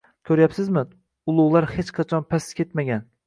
Koʻrayapsizmi, ulugʻlar hech qachon past ketmagan